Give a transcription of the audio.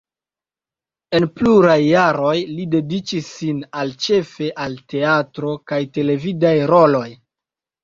En pluaj jaroj li dediĉis sin al ĉefe al teatro kaj televidaj roloj.